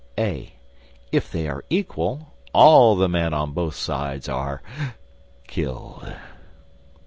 (a) If they are equal, all the men on both sides are killed.